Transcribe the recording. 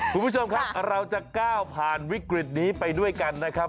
คุณผู้ชมครับเราจะก้าวผ่านวิกฤตนี้ไปด้วยกันนะครับ